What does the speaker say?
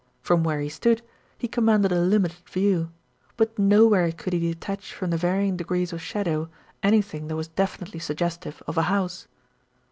From where he stood, he commanded a limited view; but nowhere could he detach from the varying degrees of shadow anything that was definitely suggestive of a house.